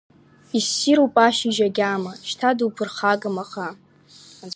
Иссируп ашьыжь агьама, шьҭа дуԥырхагам аӷа.